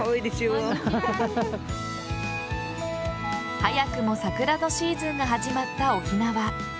早くも桜のシーズンが始まった沖縄。